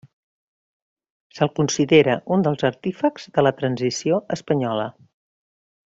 Se'l considera un dels artífexs de la Transició Espanyola.